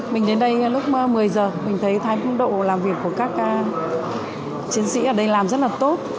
mình đến đây lúc một mươi giờ mình thấy thái phong độ làm việc của các chiến sĩ ở đây làm rất là tốt